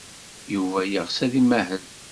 Yuba yeɣs ad imahel.